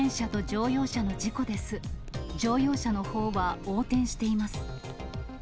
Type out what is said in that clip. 乗用車のほうは横転しています。